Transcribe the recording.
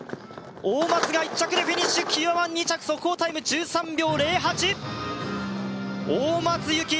大松が１着でフィニッシュ清山は２着速報タイム１３秒０８大松由季